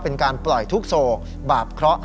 เป็นการปล่อยทุกโศกบาปเคราะห์